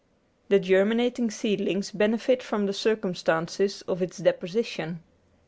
The germinating seedling benefits from the circumstances of its deposition.